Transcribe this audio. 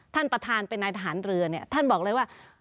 ท่านประธานเป็นนายทหารเรือเนี่ยท่านบอกเลยว่า